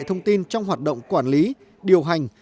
thông tin trong hoạt động quản lý điều hành